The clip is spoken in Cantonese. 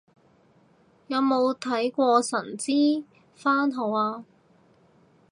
有冇睇過神之番號啊